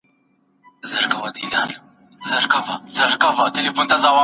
ما ټولي اورېدلي خبري په کاغذ ولیکلې.